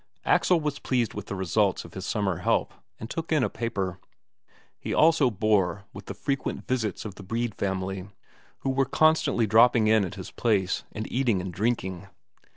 Axel was pleased with the results of his summer help, and took in a paper. He also bore with the frequent visits of the Brede family, who were constantly dropping in at his place and eating and drinking.